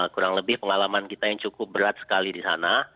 kurang lebih pengalaman kita yang cukup berat sekali di sana